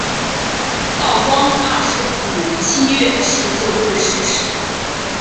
道光二十五年七月十九日逝世。